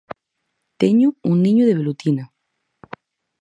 Teño un niño de velutina.